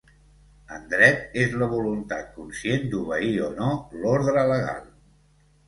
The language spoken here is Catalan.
En dret és la voluntat conscient d'obeir o no l'ordre legal.